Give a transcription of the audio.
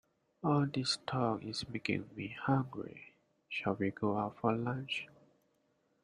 All this talk is making me hungry, shall we go out for lunch?